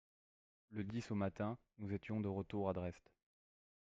Le dix au matin nous étions de retour à Dresde.